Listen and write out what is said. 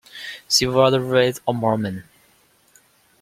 She was raised a Mormon.